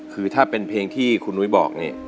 คือถ้าเป็นเพลงที่คุณนุ้ยบอกนี่